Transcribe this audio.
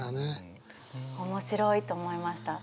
面白いと思いました。